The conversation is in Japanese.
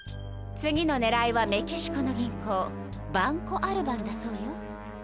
次の狙いはメキシコの銀行バンコ・アルバンだそうよ。